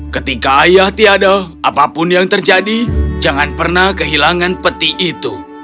ketika ayah tiada apapun yang terjadi jangan pernah kehilangan peti itu